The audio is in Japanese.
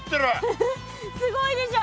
フフすごいでしょ。